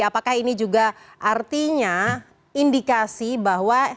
apakah ini juga artinya indikasi bahwa